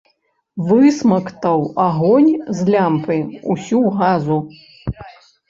Высмактаў агонь з лямпы ўсю газу.